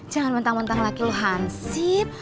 jangan mentang mentang laki lo hansip